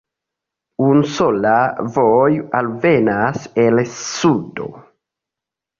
Unusola vojo alvenas el sudo.